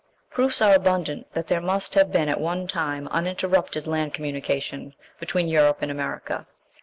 Proofs are abundant that there must have been at one time uninterrupted land communication between Europe and America.